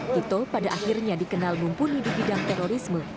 tito pada akhirnya dikenal mumpuni di bidang terorisme